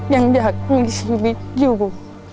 ยังอยากมีชีวิตอยู่